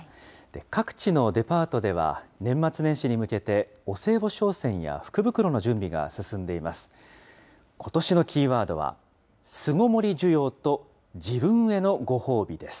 各地のデパートでは、年末年始に向けて、お歳暮商戦や福袋の準備が進んでいます。